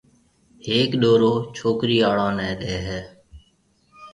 ھيَََڪ ڏورو ڇوڪرِي آݪو نيَ ڏيَ ھيََََ